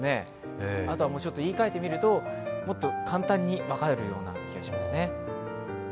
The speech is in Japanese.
あとは言いかえてみるともっと簡単に分かるような気がしますね。